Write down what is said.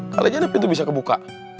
kali aja pintu bisa kebuka